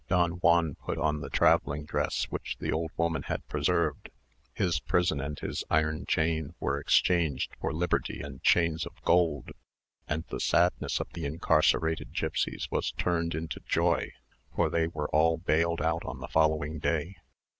Don Juan put on the travelling dress which the old woman had preserved; his prison and his iron chain were exchanged for liberty and chains of gold; and the sadness of the incarcerated gipsies was turned into joy, for they were all bailed out on the following day.